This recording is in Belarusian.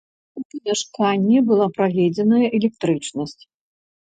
У памяшканне была праведзеная электрычнасць.